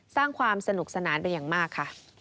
สร้างความสนุกสนานเป็นอย่างมากค่ะ